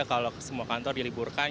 kalau semua kantor diliburkan